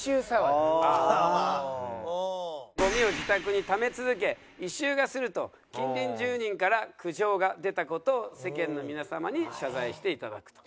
ゴミを自宅にため続け「異臭がする」と近隣住人から苦情が出た事を世間の皆様に謝罪していただくと。